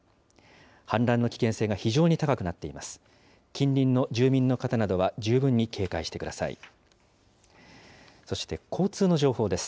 氾濫の危険性が非常に高くなっています。